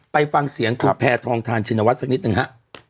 ไปฟังเสียงคุณแพทองทานชินวัฒสักนิดหนึ่งฮะ